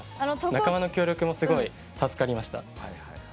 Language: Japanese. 仲間の協力もすごい助かりました。